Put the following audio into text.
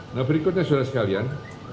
nah berikutnya saudara sekalian